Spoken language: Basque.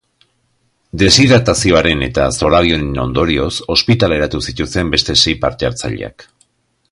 Deshidratazioaren eta zorabioen ondorioz ospitaleratu zituzten beste sei parte hartzaileak.